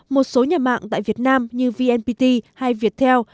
một số nhà mạng tại việt nam như vnpt hay viettel